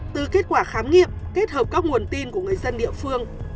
từ kết quả khám nghiệm kết hợp các nguồn tin của người dân địa phương